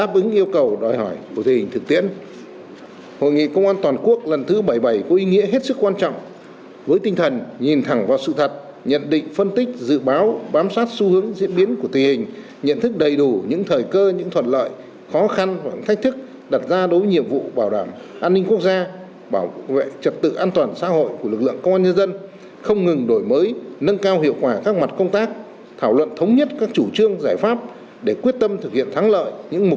vì vậy hội nghị công an toàn quốc lần thứ bảy mươi bảy có ý nghĩa hết sức quan trọng với tinh thần nhìn thẳng vào sự thật nhận định phân tích dự báo bám sát xu hướng diễn biến của tình hình nhận thức đầy đủ những thời cơ những thuật lợi khó khăn hoặc thách thức đặt ra đối với nhiệm vụ bảo đảm an ninh quốc gia bảo vệ trật tự an toàn xã hội của lực lượng công an nhân dân không ngừng đổi mới nâng cao hiệu quả các mặt công tác thảo luận thống nhất các chủ trương giải pháp để quyết tâm thực hiện thắng lợi những lực lượng công tác